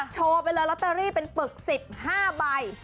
โชว์ไปเลยลอตเตอรี่เป็นปึก๑๕ใบ